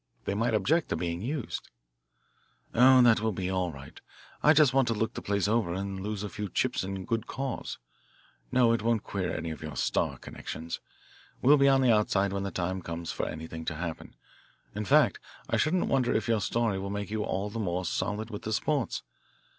They might object to being used " "Oh, that will be all right. I just want to look the place over and lose a few chips in a good cause. No, it won't queer any of your Star connections. We'll be on the outside when the time comes for anything to happen. In fact I shouldn't wonder if your story would make you all the more solid with the sports.